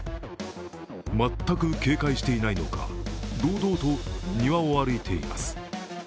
全く警戒していないのか、堂々と庭を歩いています。